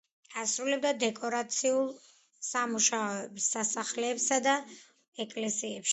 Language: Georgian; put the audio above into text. ასრულებდა დეკორაციულ სამუშაოებს სასახლეებსა და ეკლესიებში.